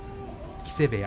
木瀬部屋。